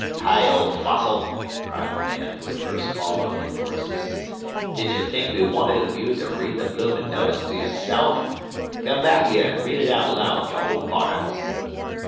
"Hi, old fossil," cried the man who had first called on him for assistance, "did je think we wanted of you to read the bloomin' notis to yourself? Come back here and read it out loud, you old barnacle."